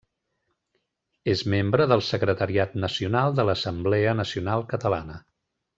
És membre del secretariat nacional de l'Assemblea Nacional Catalana.